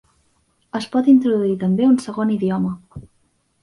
Es pot introduir també un segon idioma.